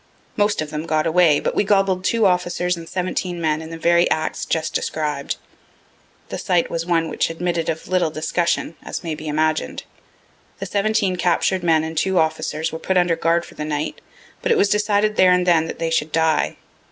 Most of them got away, but we gobbled two officers and seventeen men, in the very acts just described. The sight was one which admitted of little discussion, as may be imagined. The seventeen captur'd men and two officers were put under guard for the night, but it was decided there and then that they should die.